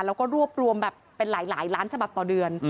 แล้วก็รวบรวมแบบเป็นหลายล้านฉบับต่อเดือน